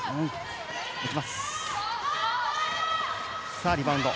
さあ、リバウンド。